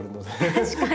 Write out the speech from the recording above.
確かに。